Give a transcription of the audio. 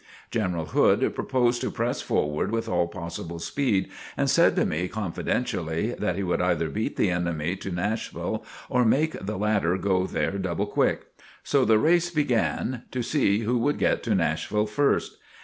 General Hood proposed to press forward with all possible speed, and said to me confidentially that he would either beat the enemy to Nashville or make the latter go there double quick. So the race began to see who would get to Nashville first.